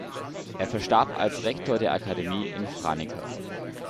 Er verstarb als Rektor der Akademie in Franeker.